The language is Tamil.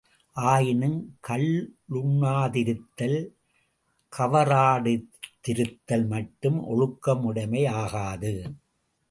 ஆயினும் கள்ளுண்ணாதிருத்தல், கவறாடாதிருத்தல் மட்டும் ஒழுக்கமுடைமையாகாது.